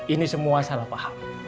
ini semua salah paham